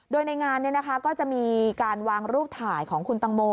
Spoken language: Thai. โดยในงานก็จะมีการวางรูปถ่ายของคุณตังโม